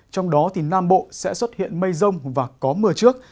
trong đó thì nam bộ sẽ xuất hiện mây rông và có mưa trước